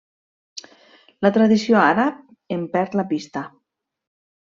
La tradició àrab en perd la pista.